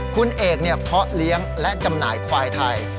คุณเอกเพาะเลี้ยงและจำหน่ายควายไทย